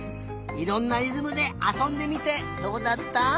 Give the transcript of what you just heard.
いろんなりずむであそんでみてどうだった？